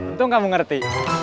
untung kamu ngerti